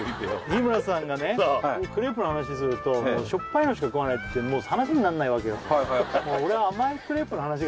日村さんがねクレープの話するとしょっぱいのしか食わないってもう話になんないわけよ